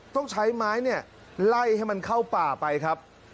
ต้องใช้ไม้เนี่ยไล่ให้มันเข้าป่าไปครับ